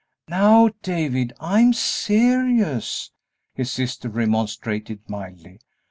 "Now, David, I'm serious," his sister remonstrated, mildly.